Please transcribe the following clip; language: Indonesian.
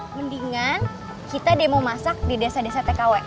mendingan kita demo masak di desa desa tkw